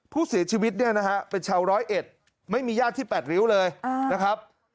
ผู้เสียชีวิตเนี่ยนะฮะเป็นชาวร้อยเอ็ดไม่มีญาติที่๘ริ้วเลยนะครับ